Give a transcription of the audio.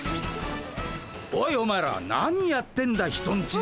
おいお前ら何やってんだ人んちで。